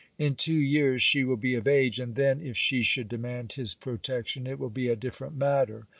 In two years, she will be of age; and then, if she should demand his protection, it will be a different matter.